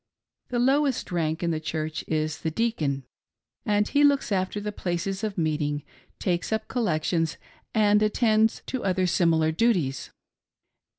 The lowest rank in the Church is the " Deacon ;" he looks after the places of meeting, takes up collections, and attends to other similar duties.